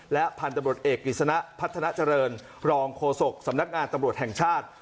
และพันธุ์ตำรวจเอกกฤษณะพัฒนาเจริญรองโฆษกสำนักงานตำรวจแห่งชาติ